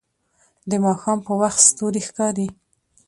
د ماښام په وخت ستوري ښکاري